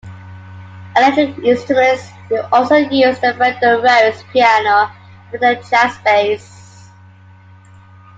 Electric instruments were also used, the Fender Rhodes piano and Fender Jazz Bass.